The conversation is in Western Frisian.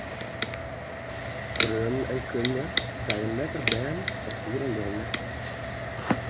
Freonen en kunde krije letter bern of hielendal net.